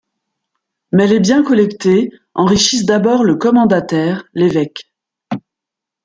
Mais les biens collectés enrichissent d'abord le commendataire, l'évêque.